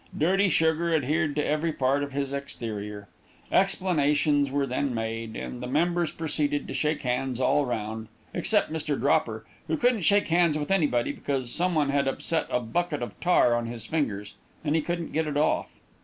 Dirty sugar adhered to every part of his exterior. Explanations were then made, and the members proceeded to shake hands all round, except Mr. Dropper, who couldn't shake hands with anybody, because some one had upset a bucket of tar on his fingers, and he couldn't get it off.